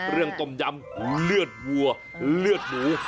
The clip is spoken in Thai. เรื่องต้มยำเลือดวัวเลือดหมู